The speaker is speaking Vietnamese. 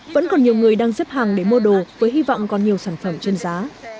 vẫn còn nhiều người đang xếp hàng để mua đồ với hy vọng còn nhiều sản phẩm trên giá